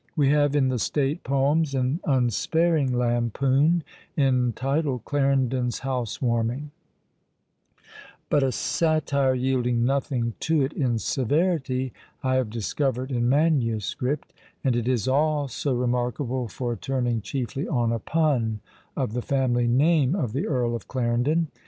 We have in the state poems, an unsparing lampoon, entitled "Clarendon's House warming;" but a satire yielding nothing to it in severity I have discovered in manuscript; and it is also remarkable for turning chiefly on a pun of the family name of the Earl of Clarendon.